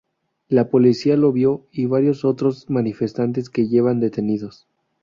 La policía lo y varios otros manifestantes que llevan detenidos.